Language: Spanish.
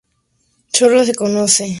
Solo se conoce una especie, A. koi.